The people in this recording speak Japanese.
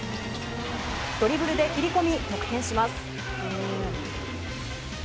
ドリブルで切り込み、得点します。